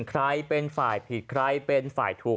ใครเป็นฝ่ายผิดใครเป็นฝ่ายถูก